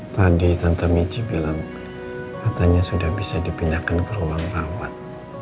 tadi tante mici bilang katanya sudah bisa dipindahkan ke ruang rawat